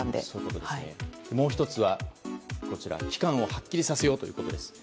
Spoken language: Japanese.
もう１つは、期間をはっきりさせようということです。